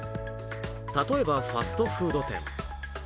例えばファストフード店。